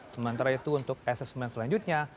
sementara itu untuk asesmen selanjutnya